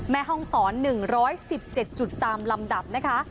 แม่ห้องศร๑๑๗จุดตามลำดับนะคะ